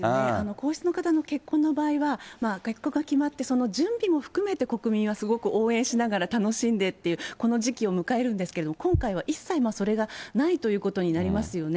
皇室の方の結婚の場合は、結婚が決まって、その準備も含めて、国民はすごく応援しながら楽しんでっていう、この時期を迎えるんですけれども、今回は一切それがないということになりますよね。